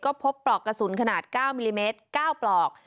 ก็พบปลอกกระสุนขนาด๙มิลลิเมตร๙ปลอก